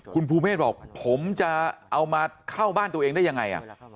คุณภูเมฆบอกผมจะเอามาเข้าบ้านตัวเองได้ยังไง